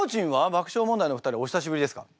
爆笑問題のお二人お久しぶりですか？